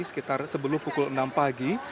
sekitar sebelum pukul enam pagi